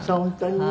本当にね。